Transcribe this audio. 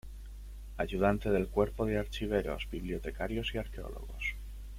Ayudante del Cuerpo de Archiveros, Bibliotecarios y Arqueólogos.